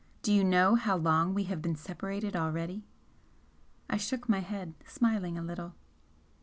Do you know how long we have been separated already?" I shook my head, smiling a little.